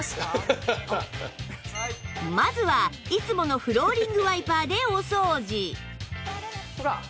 まずはいつものフローリングワイパーでお掃除ほら。